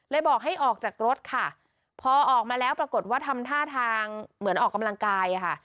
บอกให้ออกจากรถค่ะพอออกมาแล้วปรากฏว่าทำท่าทางเหมือนออกกำลังกายค่ะ